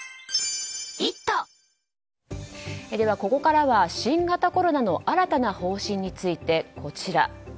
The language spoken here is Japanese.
ここからは新型コロナの新たな方針について、こちら。